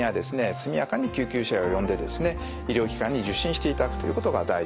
速やかに救急車を呼んで医療機関に受診していただくということが大事です。